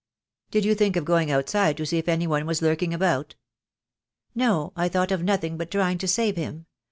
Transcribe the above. "Did you think of going outside to see if anyone was lurking about?" "No, I thought of nothing but trying to save him.